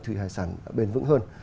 thủy hải sản bền vững hơn